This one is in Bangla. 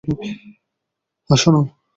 আসো, নাও।